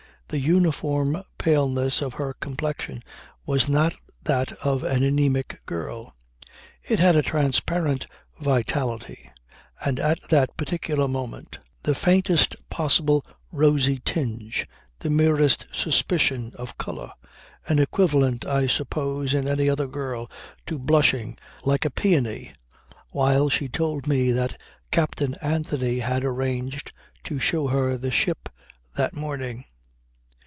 The uniform paleness of her complexion was not that of an anaemic girl. It had a transparent vitality and at that particular moment the faintest possible rosy tinge, the merest suspicion of colour; an equivalent, I suppose, in any other girl to blushing like a peony while she told me that Captain Anthony had arranged to show her the ship that morning.